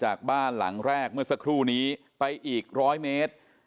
บ้านหลังแรกเมื่อสักครู่นี้ไปอีกร้อยเมตร